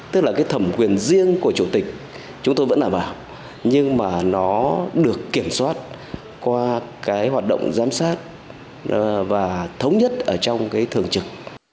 tức là cái thẩm quyền riêng của chủ tịch chúng tôi vẫn là vào nhưng mà nó được kiểm soát qua cái hoạt động giám sát và thống nhất ở trong cái thường trực